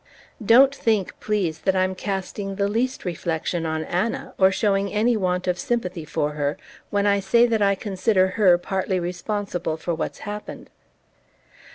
"Don't think, please, that I'm casting the least reflection on Anna, or showing any want of sympathy for her, when I say that I consider her partly responsible for what's happened.